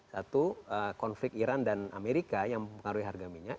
satu konflik iran dan amerika yang mempengaruhi harga minyak